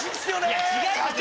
違う！